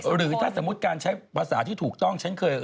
หรือถ้าสมมุติการใช้ภาษาที่ถูกต้องฉันเคย